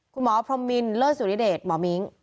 คุณหมอพรมมินเลิศสุริเดชหมอมิ้ง